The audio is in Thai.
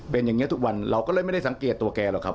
เป็นอย่างนี้ทุกวันเราก็เลยไม่ได้สังเกตตัวแกหรอกครับ